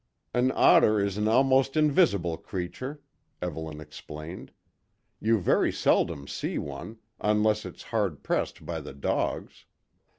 "An otter is an almost invisible creature," Evelyn explained, "You very seldom see one, unless it's hard pressed by the dogs.